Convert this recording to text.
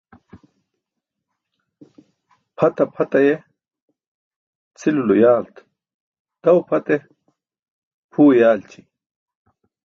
Pʰata pʰat aye cʰilulo yaalt, daw pʰat e?, pʰuwe yaalći.